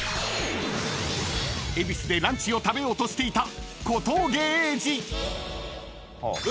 ［恵比寿でランチを食べようとしていた］